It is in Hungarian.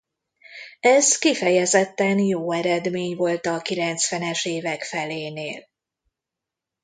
Ez kifejezetten jó eredmény volt a kilencvenes évek felénél.